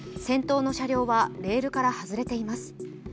先頭の車両はレールから外れています。